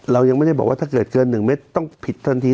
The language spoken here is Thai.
เรายังไม่ได้บอกว่าถ้าเกิดเกิน๑เมตรต้องผิดทันที